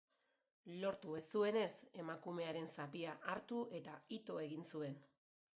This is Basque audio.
Lortu ez zuenez, emakumearen zapia hartu eta ito egin zuen.